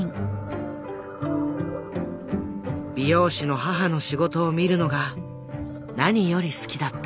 美容師の母の仕事を見るのが何より好きだった。